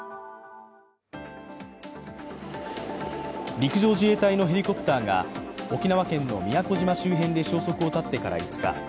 陸上自衛隊のヘリコプターが沖縄県の宮古島周辺で消息を絶ってから５日。